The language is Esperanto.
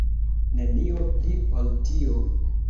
Nenio pli ol tio.